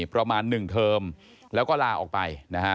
ประมาณ๑เทอมแล้วก็ลาออกไปนะฮะ